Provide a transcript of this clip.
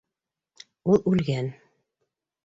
Үл үлгән.